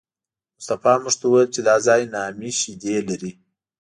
مصطفی موږ ته وویل چې دا ځای نامي شیدې لري.